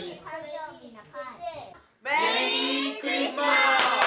メリークリスマス！